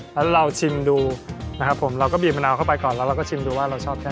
แล้วเราชิมดูนะครับผมเราก็บีบมะนาวเข้าไปก่อนแล้วเราก็ชิมดูว่าเราชอบแค่